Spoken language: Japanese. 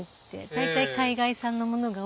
大体海外産のものが多いけど。